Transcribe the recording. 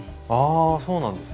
ああそうなんですね。